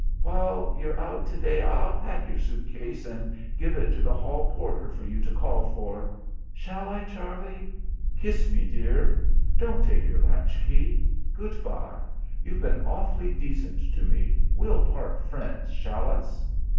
While you're out to day I'll pack your suit case and give it to the hall porter for you to call for. Shall I, Charlie? Kiss me, dear. Don't take your latch key. Good bye. You've been awfully decent to me. We'll part friends, shall us?"